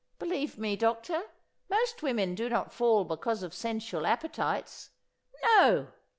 Believe me, doctor, most women do not fall because of sensual appetites. No!